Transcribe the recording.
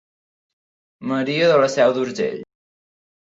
Maria de la Seu d'Urgell.